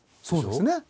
そうですね。